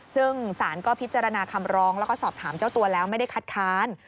ซึ่งสารก็พิจารณาคำร้องแล้วก็สอบถามเจ้าตัวแล้วไม่ได้คัดค้าน